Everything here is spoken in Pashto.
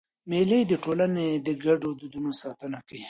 مېلې د ټولني د ګډو دودونو ساتنه کوي.